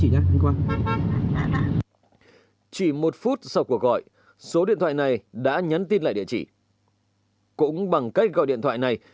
đặc biệt số điện thoại để liên lạc với gái bán dâm cũng rất rõ ràng